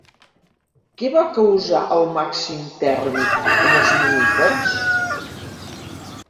Què va causar el màxim tèrmic en els mamífers?